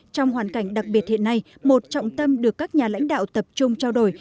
trong hoàn cảnh đặc biệt hiện nay một trọng tâm được các nhà lãnh đạo tập trung trao đổi